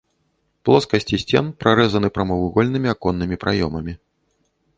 Плоскасці сцен прарэзаны прамавугольнымі аконнымі праёмамі.